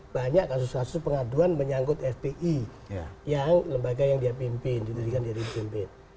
banyak kasus kasus pengaduan menyangkut fpi yang lembaga yang dia pimpin didirikan jadi pimpin